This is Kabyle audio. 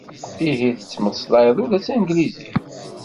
Ihi, tettmeslayeḍ ula d tanglizit?